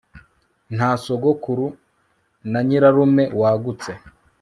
nta sogokuru na nyirarume wagutse